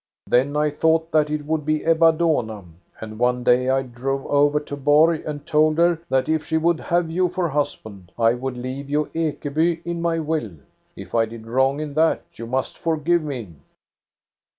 Then I thought that it would be Ebba Dohna, and 30 466 THE STORY OF GOSTA BERLING one day I drove over to Borg and told her that if she would have you for husband, I would leave you Ekeby in my will. If I did wrong in that, you must forgive me."